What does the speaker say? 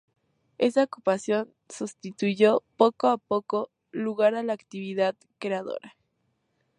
Esta ocupación sustituyó poco a poco lugar a la actividad creadora.